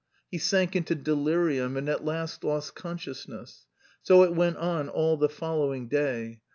_" He sank into delirium and at last lost consciousness. So it went on all the following day.